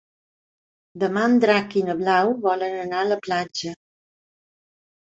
Demà en Drac i na Blau volen anar a la platja.